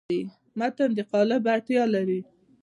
متن د قالب اړتیا لري.